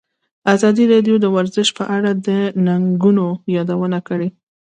ازادي راډیو د ورزش په اړه د ننګونو یادونه کړې.